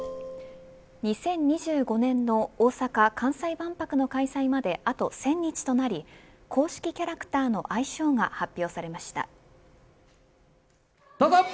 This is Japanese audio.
２０２５年の大阪・関西万博の開催まであと１０００日となり公式キャラクターの愛称が発表されました。